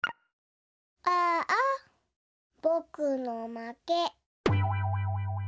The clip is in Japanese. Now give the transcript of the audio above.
ああぼくのまけ。